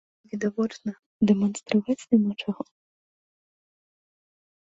Відавочна, дэманстраваць няма чаго.